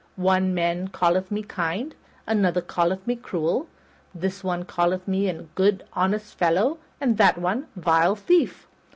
One man calleth me kind, another calleth me cruel; this one calleth me good honest fellow, and that one, vile thief.